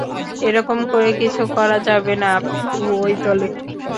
এরকম করে কিছু করা যাবে না আপনিও ঐ দলে?